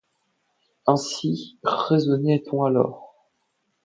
Ainsi raisonnait-on alors.